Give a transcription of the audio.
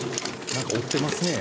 何か織ってますね。